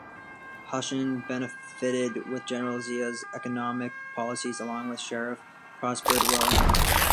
Hussain benefited with general Zia's economic policies, along with Sharif, prospered well enough.